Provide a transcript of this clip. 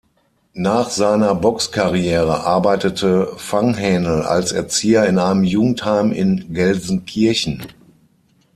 Nach seiner Boxkarriere arbeitete Fanghänel als Erzieher in einem Jugendheim in Gelsenkirchen.